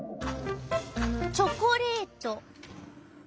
チョコレート。